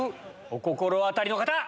お心当たりの方！